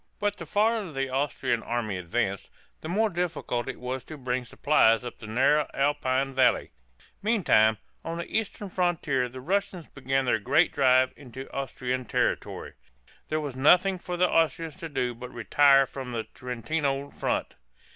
But the farther the Austrian army advanced, the more difficult it was to bring supplies up the narrow Alpine valleys. Meantime, on the eastern frontier the Russians began their great drive into Austrian territory. There was nothing for the Austrians to do but retire from the Trentino front.